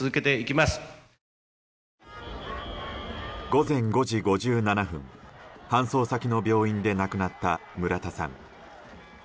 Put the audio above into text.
午前５時５７分搬送先の病院で亡くなった村田さん。